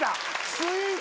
スイーツ！